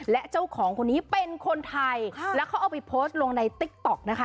และเจ้าของคนนี้เป็นคนไทยแล้วเขาเอาไปโพสต์ลงในติ๊กต๊อกนะคะ